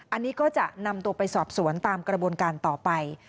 อันนี้ก็จะนำตัวไปสอบสวนตามกระบวนการต่อไป